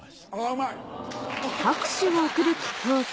うまい。